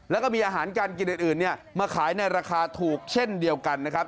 แล้วก็มีอาหารการกินอื่นมาขายในราคาถูกเช่นเดียวกันนะครับ